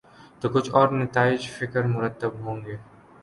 تو کچھ اور نتائج فکر مرتب ہوں۔